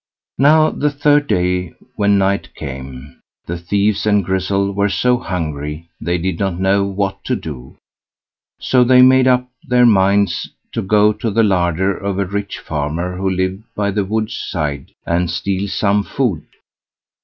Now, the third day, when night came, the thieves and Grizzel were so hungry they did not know what to do; so they made up their minds to go to the larder of a rich farmer, who lived by the wood's side, and steal some food.